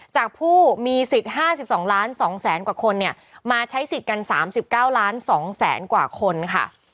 จากผู้มีสิทธิ์๕๒ล้าน๒๒๐๐๐กว่าคนเนี่ยมาใช้สิทธิ์กัน๓๙ล้าน๒แสนกว่าคนค่ะ